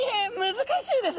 難しいです。